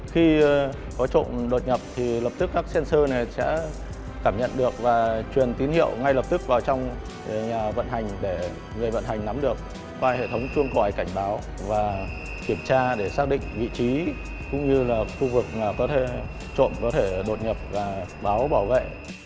khi có trộm đột nhập thì lập tức các sensor sẽ cảm nhận được và truyền tín hiệu ngay lập tức vào trong nhà vận hành để người vận hành nắm được qua hệ thống chuông còi cảnh báo và kiểm tra để xác định vị trí cũng như là khu vực có thể trộm có thể đột nhập và báo bảo vệ